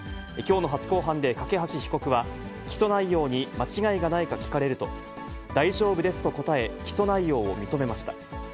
きょうの初公判で梯被告は、起訴内容に間違いがないか聞かれると、大丈夫ですと答え、起訴内容を認めました。